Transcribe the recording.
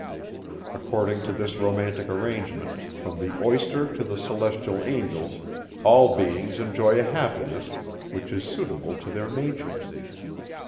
According to this romantic arrangement, from the oyster to the celestial angels, all beings enjoy a happiness, which is suitable to their nature.